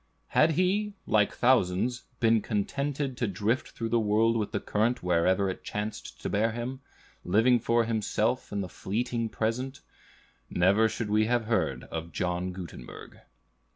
Had he, like thousands, been contented to drift through the world with the current wherever it chanced to bear him, living for himself and the fleeting present, never should we have heard of John Gutenberg.